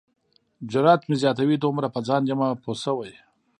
جرات مې زیاتوي دومره په ځان یمه پوه شوی.